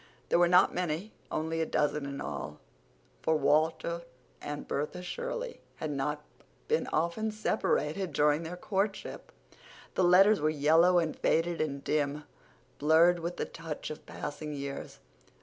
There were not many—only a dozen in all—for Walter and Bertha Shirley had not been often separated during their courtship. The letters were yellow and faded and dim, blurred with the touch of passing years.